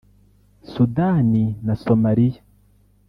Sudani na Somalia